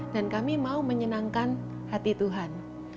dan kami mau menyenangkan hati tuhan